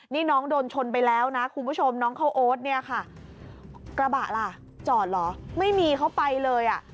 นี่น้องโดนชนไปแล้วนะคุณผู้ชมน้องเข้าโอ๊ตเนี่ยค่ะกระบะล่ะจอดเหรอไม่มีเขาไปเลยอ่ะ